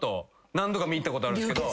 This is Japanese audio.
何度か見に行ったことあるけど。